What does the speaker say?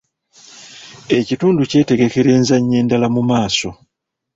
Ekitundu kyetegekera enzannya endala mu maaso.